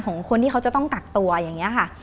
ของคนที่เขาจะต้องกักตัวอย่างนี้ค่ะ